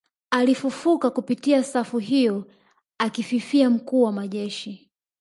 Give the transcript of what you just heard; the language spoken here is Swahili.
Alifufuka kupitia safu hiyo akifikia mkuu wa majeshi